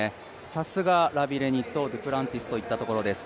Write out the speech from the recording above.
さすがラビレニとデュプランティスといったところです。